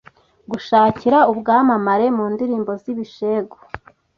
gushakira ubwamamare mu ndirimbo z’ibishegu,